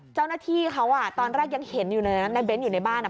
เจ้าหน้าที่เขาตอนแรกยังเห็นอยู่ในเน้นอยู่ในบ้าน